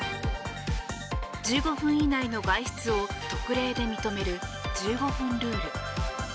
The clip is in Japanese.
１５分以内の外出を特例で認める１５分ルール。